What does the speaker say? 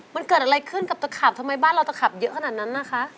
มันเกิดอะไรขึ้นกับตะขาบทำไมบ้านเราตะขับเยอะขนาดนั้นนะคะ